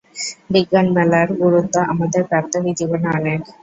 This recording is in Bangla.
বিজ্ঞান মেলার গুরুত্ব আমাদের প্রাত্যহিক জিবনে অনেক।